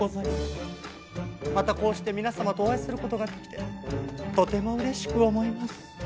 またこうして皆様とお会いする事ができてとても嬉しく思います。